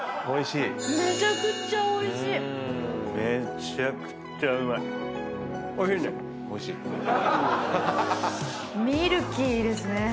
おいしいね！